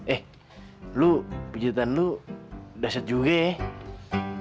eh pijatan lo dasar juga ya